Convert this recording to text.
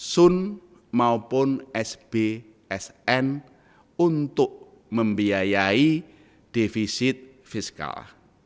sun maupun sbsn untuk membiayai defisit fiskal